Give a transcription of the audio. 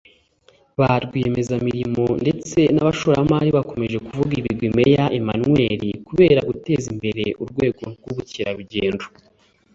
ba rwiyemezamirimo ndetse n’abashoramari bakomeje kuvuga ibigwi Meya Emmanuel kubera guteza imbere urwego rw’ubukerarugendo